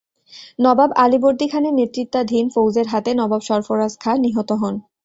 নবাব আলীবর্দী খানের নেতৃত্বাধীন ফৌজের হাতে নবাব সরফরাজ খাঁ নিহত হন।